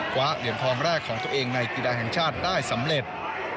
เหรียญทองแรกของตัวเองในกีฬาแห่งชาติได้สำเร็จ